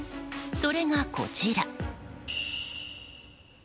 それがこちら。